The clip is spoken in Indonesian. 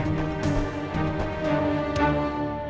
di jalan maukwaru